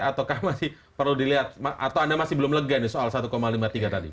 atau anda masih belum lega soal satu lima puluh tiga tadi